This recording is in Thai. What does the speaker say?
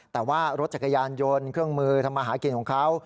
แต่ว่ารถจักรยานยนต์เครื่องมือทำมาหากินของเขา